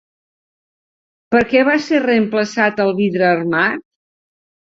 Per què va ser reemplaçat el vidre armat?